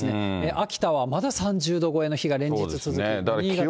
秋田はまだ３０度超えの日が連日続く、新潟も。